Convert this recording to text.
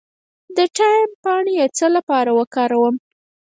د تایم پاڼې د څه لپاره وکاروم؟